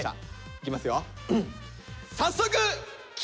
いきますよ。